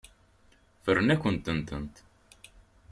Ffrent-akent-tent.